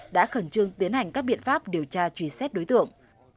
đã khẩn trương tiến hành các biện pháp điều tra truy xét đối tượng